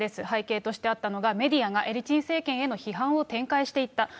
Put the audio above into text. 背景としてあったのがメディアがエリツィン政権の批判を展開していった。